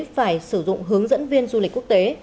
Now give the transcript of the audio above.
phải sử dụng hướng dẫn viên du lịch quốc tế